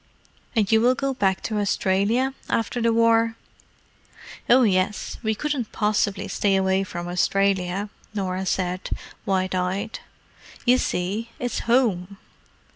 "And you will go back to Australia after the war?" "Oh, yes. We couldn't possibly stay away from Australia," Norah said, wide eyed. "You see, it's home."